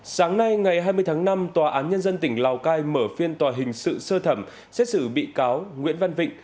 sáng nay ngày hai mươi tháng năm tòa án nhân dân tỉnh lào cai mở phiên tòa hình sự sơ thẩm xét xử bị cáo nguyễn văn vịnh